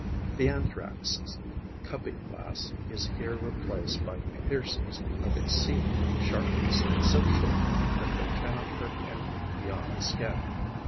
The Anthrax' cupping glass is here replaced by piercers of exceeding sharpness and so short that they cannot hurt anything beyond the skin.